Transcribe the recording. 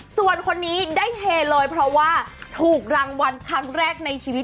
ส่วนคนนี้ได้เฮเลยเพราะว่าถูกรางวัลครั้งแรกในชีวิต